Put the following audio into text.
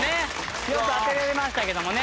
よく当てられましたけどもね。